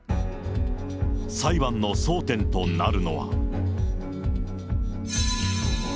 裁判の争点となるのは。